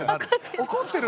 「怒ってる！」